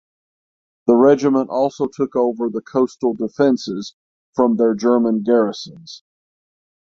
The regiment also took over the coastal defences from their German garrisons.